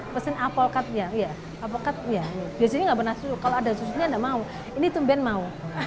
pesen apel cutnya biasanya enggak pernah susu kalau ada susunya enggak mau ini tumben mau